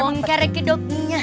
bongkar reki doki nya